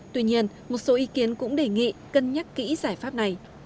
tuy nhiên một số ý kiến cũng đề nghị cân nhắc kỹ giải pháp này